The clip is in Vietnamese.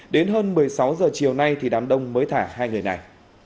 đến hơn một mươi sáu giờ chiều nay thì đám đông mới thả hai người này